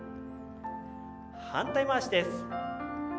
反対回しです。